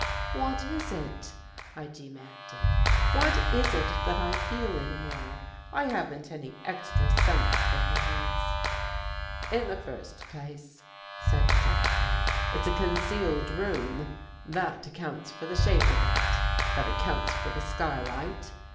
"What Is it?" I demanded. "What Is It that I feel in here? I haven't any extra sense for things." " In the first place," said Jeffrey, " It's a con cealed room. That accounts for the shape of It —^ that accounts for the skylight.